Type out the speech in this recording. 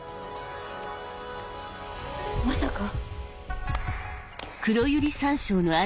まさか！